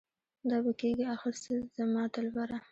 دا به کيږي اخر څه زما دلبره؟